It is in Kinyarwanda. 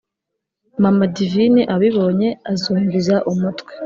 mama divine abibonye azunguza umutwe,